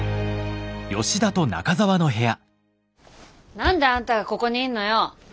何であんたがここにいんのよ。